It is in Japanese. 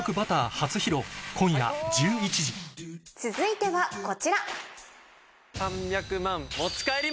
続いてはこちら！